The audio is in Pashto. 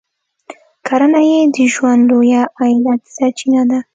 کرنه یې د ژوند لویه عایداتي سرچینه ده.